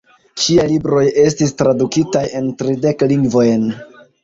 Ŝiaj libroj estis tradukitaj en tridek lingvojn.